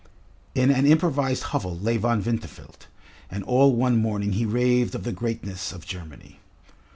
In an improvised hovel lay Von Winterfeld, and all one morning he raved of the greatness of Germany.